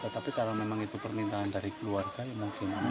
tapi kalau memang itu permintaan dari keluarga ya mau gimana